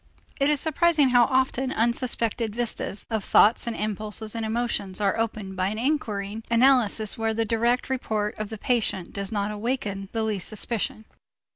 It is surprising how often unsuspected vistas of thoughts and impulses and emotions are opened by an inquiring analysis where the direct report of the patient does not awaken the least suspicion.